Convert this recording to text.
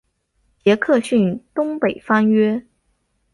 杰克逊东北方约。